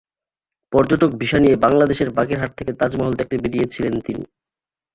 পর্যটক ভিসা নিয়ে বাংলাদেশের বাগেরহাট থেকে তাজমহল দেখতে বেরিয়েছিলেন তিনি।